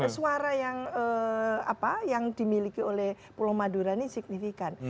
suara yang dimiliki oleh pulau madura ini signifikan